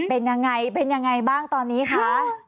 เป็นอย่างไรเป็นอย่างไรบ้างตอนนี้คะ